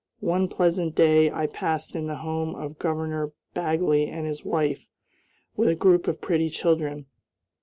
One pleasant day I passed in the home of Governor Bagley and his wife, with a group of pretty children.